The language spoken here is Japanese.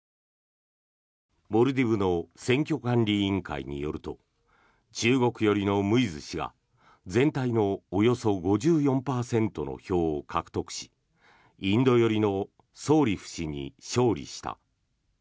モルディブの選挙管理委員会によると中国寄りのムイズ氏が全体のおよそ５４％の票を獲得しインド寄りのソーリフ氏に勝利した。